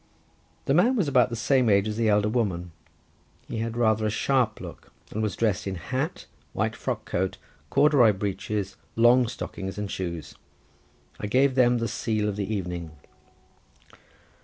The man was about the same age as the elder woman; he had rather a sharp look, and was dressed in hat, white frock coat, corduroy breeches, long stockings and shoes. I gave them the seal of the evening.